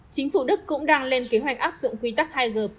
chính phủ đức cũng đang lên kế hoạch áp dụng quy tắc hai g